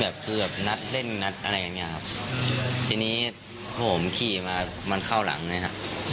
แบบคือนัดเต้นนัดอะไรอย่างนี้ครับทีนี้ผมขี่มามันเข้าหลังด้วยค่ะ